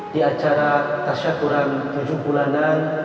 di acara tasyakuran tujuh bulanan